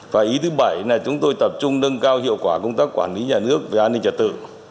và ý thứ bảy là chúng tôi tập trung nâng cao hiệu quả công tác quản lý nhà nước về an ninh trật tự